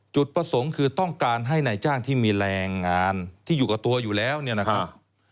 จุดประสงค์คือต้องการให้นายจ้างที่มีแรงงานที่อยู่กับตัวอยู่แล้วเนี่ยนะครับ